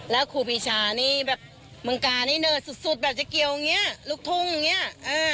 แล้วครูปีชานี่แบบเมืองกานี่เนิดสุดแบบจะเกี่ยวอย่างนี้ลูกทุ่งอย่างนี้